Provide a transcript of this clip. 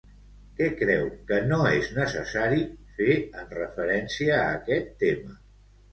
Què creu que no és necessari fer en referència a aquest tema?